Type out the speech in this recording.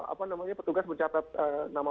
apa namanya petugas mencatat nama